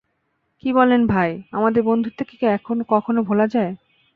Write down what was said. কি বলেন ভাই, আমাদের বন্ধুত্ব কি কখনো ভোলা যায়?